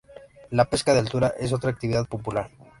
La pesca de altura es otra actividad popular.